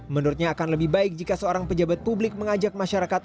menurutnya akan lebih baik jika seorang pejabat publik mengajak masyarakat